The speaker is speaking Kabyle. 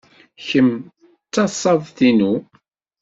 Kemm d tasaḍt-inu.